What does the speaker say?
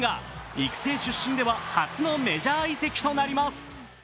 育成出身では初のメジャー移籍となります。